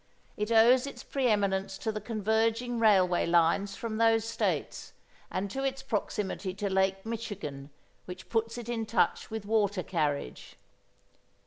It owes its preeminence to the converging railway lines from those States, and to its proximity to Lake Michigan which puts it in touch with water carriage.